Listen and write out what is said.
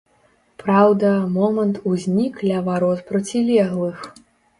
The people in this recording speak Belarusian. Праўда, момант узнік ля варот процілеглых.